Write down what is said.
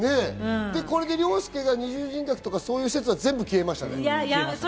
これで凌介が二重人格とかいう説は全部消えましたね。